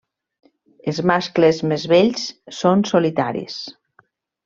Els mascles més vells són solitaris.